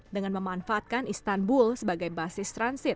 dengan memanfaatkan istanbul sebagai basis transit